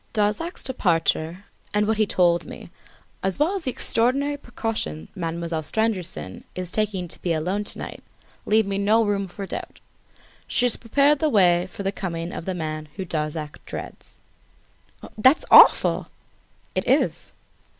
Darzac's departure and what he told me, as well as the extraordinary precautions Mademoiselle Stangerson is taking to be alone to night leaves me no room for doubt. She has prepared the way for the coming of the man whom Darzac dreads." "That's awful!" "It is!"